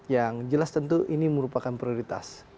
yang jelas tentu ini merupakan prioritas